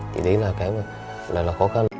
thì đấy là cái khó khăn